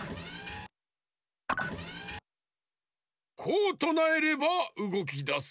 こうとなえればうごきだす。